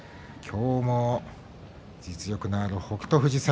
今日も実力のある北勝富士戦。